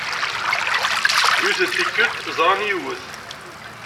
Yiwet n tikkelt, ẓran yiwet.